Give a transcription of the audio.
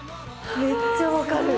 めっちゃわかる。